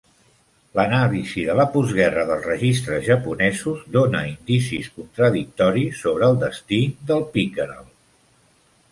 L'anàlisi de la postguerra dels registres japonesos dona indicis contradictoris sobre el destí del Pickerel.